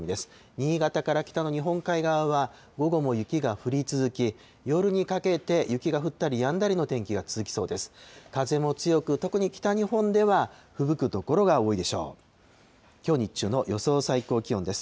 新潟から北の日本海側は午後も雪が降り続き、夜にかけて雪が降ったりやんだりの天気が続きそうです。